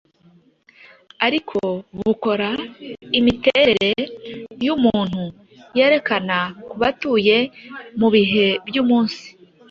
ariko bukora Imiterere yumuntu Yerekana kubatuye mubihe byumunsi.